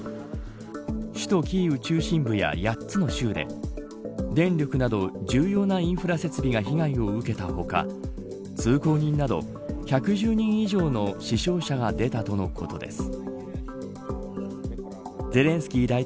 首都キーウ中心部や８つの州で電力など重要なインフラ設備が被害を受けた他通行人など１１０人以上の死傷者が出たとのことです。